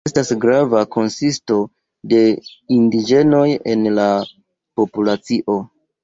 Estas grava konsisto de indiĝenoj en la populacio.